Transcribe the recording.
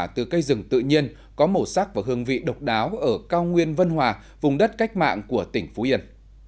từ cây rừng tự nhiên có màu sắc và hương vị độc đáo ở cao nguyên vân hòa vùng đất cách mạng của tỉnh phú yên